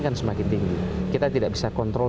kan semakin tinggi kita tidak bisa kontrol